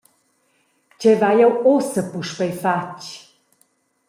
Tgei vai jeu ussa puspei fatg?